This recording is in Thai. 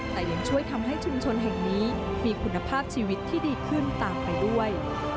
แต่ยังช่วยทำให้ชุมชนแห่งนี้มีคุณภาพชีวิตที่ดีขึ้นตามไปด้วย